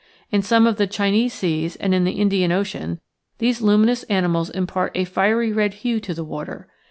In some of the Chinese seas and in the Indian Ocean these luminous animals impart a fiery red hue to the water.